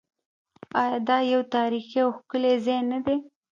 آیا دا یو تاریخي او ښکلی ځای نه دی؟